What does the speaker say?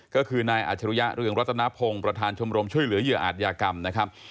ก็คือนายอาจรุยะเรืองรัตนพงศ์ประธานชมรมช่วยเหลือเหยื่ออาจยากรรมนะครับ